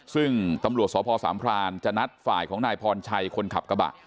ซึ่งตำรวจสพสามพรานจะนัดฝ่ายของนายพรชัยคนขับกระบะ